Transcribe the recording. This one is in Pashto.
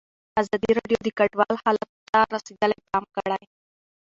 ازادي راډیو د کډوال حالت ته رسېدلي پام کړی.